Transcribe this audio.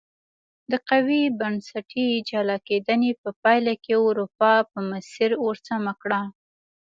د قوي بنسټي جلا کېدنې په پایله کې اروپا په مسیر ور سمه کړه.